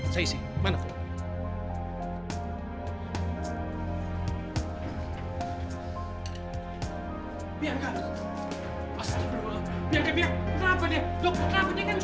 saya isi mana formulir